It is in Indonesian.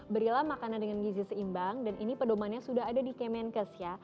berilah makanan dengan gizi seimbang dan ini pedomannya sudah ada di kemenkes ya